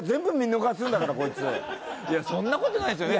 いやそんなことないですよね？